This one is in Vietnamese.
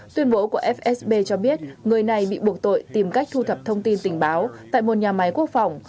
tuyên bố của fsb cho biết người này bị buộc tội tìm cách thu thập thông tin tình báo tại một nhà máy quốc phòng